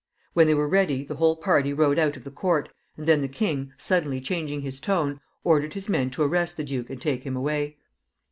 When they were ready the whole party rode out of the court, and then the king, suddenly changing his tone, ordered his men to arrest the duke and take him away.